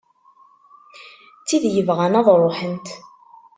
D tid yebɣan ad ruḥent.